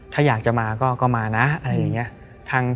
ถ้าอยากจะมาก็มานะอะไรอย่างนี้